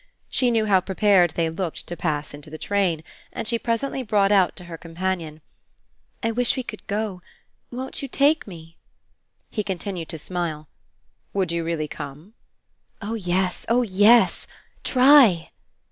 She knew how prepared they looked to pass into the train, and she presently brought out to her companion: "I wish we could go. Won't you take me?" He continued to smile. "Would you really come?" "Oh yes, oh yes. Try."